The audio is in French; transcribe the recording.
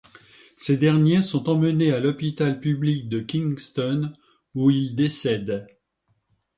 Ces derniers sont emmenés à l'hôpital public de Kingston, où ils décèdent.